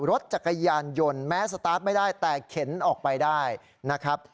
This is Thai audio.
รถจักรยานยนต์แม้สตาร์ทไม่ได้แต่เข็นออกไปได้นะครับ